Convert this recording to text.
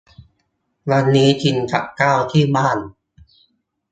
วันนี้กินกับข้าวที่บ้าน